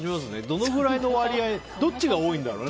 どのくらいの割合どっちが多いんだろう